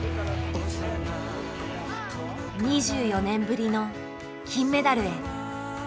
２４年ぶりの金メダルへ。